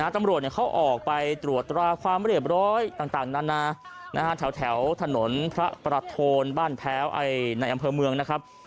ตำรวจเขาออกไปตรวจตราความเรียบร้อยต่างนานาแถวถนนพระประโทนบ้านแพ้วในอำเภอเมืองนะครับ